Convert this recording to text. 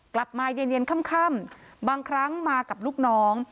กลับมาเย็นค่ำบางครั้งมากับลูกน้อง